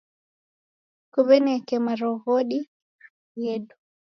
Kuw'ineke maroghoi ghedu.